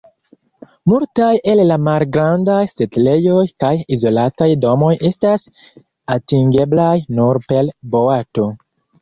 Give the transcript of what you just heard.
Multaj el la malgrandaj setlejoj kaj izolataj domoj estas atingeblaj nur per boato.